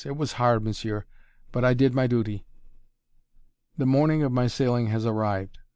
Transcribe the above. It was hard, monsieur, but I did my duty." The morning of my sailing has arrived.